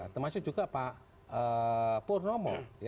termasuk juga pak pur nomo